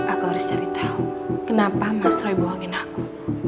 aku harus cari tahu kenapa mas roy buangin aku